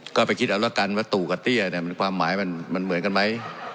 ก็ไปคิดเอาละกันว่าตู่กับเตี้ยเนี่ยมันความหมายมันมันเหมือนกันไหม